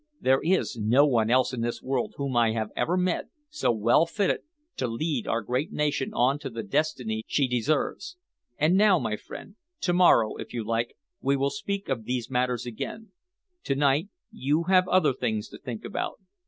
There is no one else in this world whom I have ever met so well fitted to lead our great nation on to the destiny she deserves. And now, my friend, to morrow, if you like, we will speak of these matters again. To night, you have other things to think about.